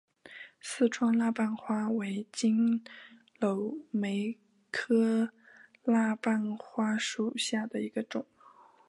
四川蜡瓣花为金缕梅科蜡瓣花属下的一个种。